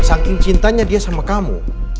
saking cintanya dia sama kamu